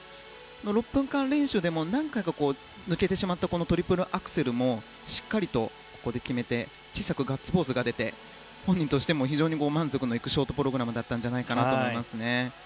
６分間練習でも何回か抜けていたトリプルアクセルもしっかりと決めて小さくガッツポーズが出て本人としても非常に満足のいくショートプログラムだったと思います。